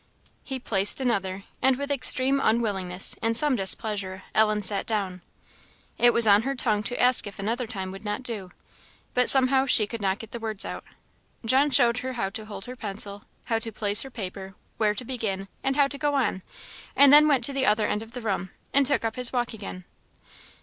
He placed another, and with extreme unwillingness and some displeasure, Ellen sat down. It was on her tongue to ask if another time would not do, but somehow she could not get the words out. John showed her how to hold her pencil, how to place her paper, where to begin, and how to go on; and then went to the other end of the room, and took up his walk again.